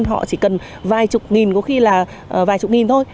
họ chỉ cần vài chục nghìn có khi là vài chục nghìn thôi